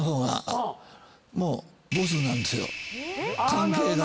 関係が。